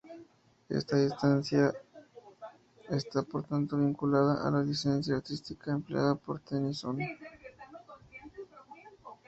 Esta distancia está por tanto vinculada a la licencia artística empleada por Tennyson.